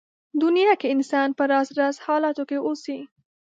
دنيا کې انسان په راز راز حالاتو کې اوسي.